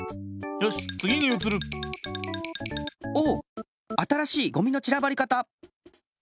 新しいゴミのちらばり方！